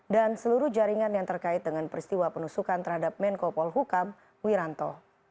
dan seluruh jaringan yang terkait dengan peristiwa penusukan terhadap menko polhukam wiranto